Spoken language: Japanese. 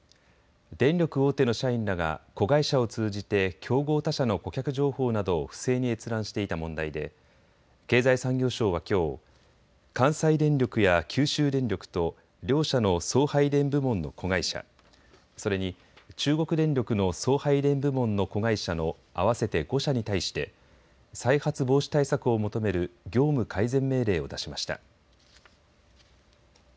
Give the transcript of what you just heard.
電力大手の社員らが子会社を通じて競合他社の顧客情報などを不正に閲覧していた問題で経済産業省はきょう、関西電力や九州電力と両社の送配電部門の子会社、それに中国電力の送配電部門の子会社の合わせて５社に対して再発防止対策を求める業務改善命令を出しました。